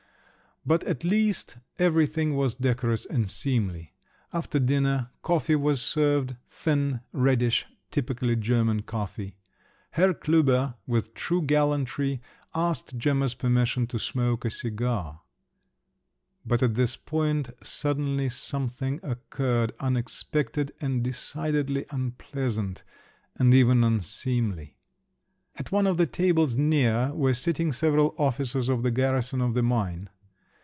But at least everything was decorous and seemly. After dinner, coffee was served, thin, reddish, typically German coffee. Herr Klüber, with true gallantry, asked Gemma's permission to smoke a cigar…. But at this point suddenly something occurred, unexpected, and decidedly unpleasant, and even unseemly! At one of the tables near were sitting several officers of the garrison of the Maine.